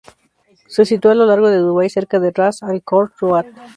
Se sitúa a lo largo de Dubái, cerca de Ras Al Khor Road.